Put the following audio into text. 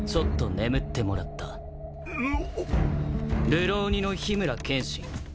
流浪人の緋村剣心。